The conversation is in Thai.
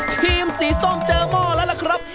ทีมศรีส้มเจอหม้อแล้วครับ